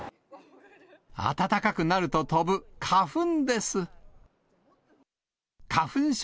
暖かくなると飛ぶ花粉です。